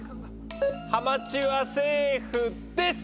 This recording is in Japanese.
ハマチはセーフです！